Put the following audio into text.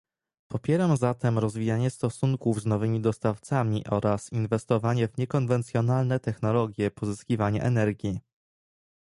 Popieram zatem rozwijanie stosunków z nowymi dostawcami oraz inwestowanie w niekonwencjonalne technologie pozyskiwania energii